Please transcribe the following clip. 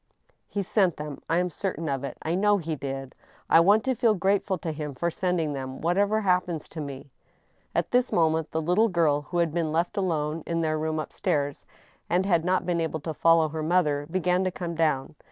" He sent them — I am certain of it* I know he did. I want to feel grateful to him for sending them, whatever happens to me." At this moment the little giri, who had been left alone in their rooms up stairs, and had not been able to follow her mother, began to come down.